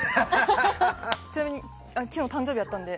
ちなみに誕生日だったので。